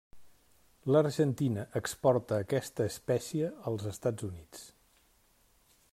L'Argentina exporta aquesta espècie als Estats Units.